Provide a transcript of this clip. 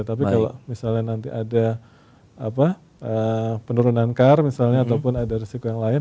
tapi kalau misalnya nanti ada penurunan car misalnya ataupun ada risiko yang lain